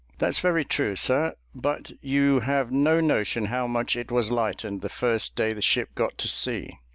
"That's very true, sir; but you have no notion how much it was lightened the first day the ship got to sea.